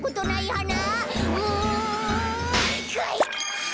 うんかいか！